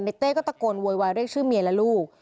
เต้ก็ตะโกนโวยวายเรียกชื่อเมียและลูก